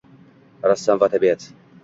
Rassom va tabiat